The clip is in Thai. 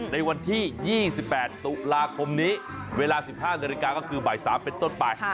ในวันที่๒๘ตุลาคมนี้เวลา๑๕นาฬิกาก็คือบ่าย๓เป็นต้นไป